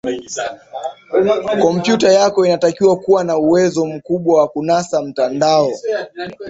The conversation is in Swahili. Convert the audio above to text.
kompyuta yako inatakiwa kuwa na uwezo mkubwa wa kunasa mtandao